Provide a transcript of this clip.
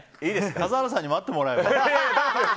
笠原さんに待ってもらえば。